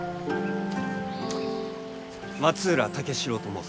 松浦武四郎と申す。